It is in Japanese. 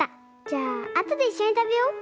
じゃああとでいっしょにたべよう。